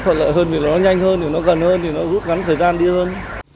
nó thuận lợi hơn vì nó nhanh hơn nó gần hơn nó hút gắn thời gian đi hơn